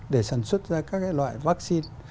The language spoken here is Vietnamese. để sản xuất ra các loại vaccine